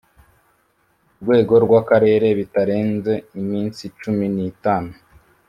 rwego rw Akarere bitarenze iminsi cumi n itanu